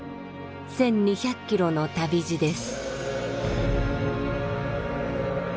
１，２００キロの旅路です。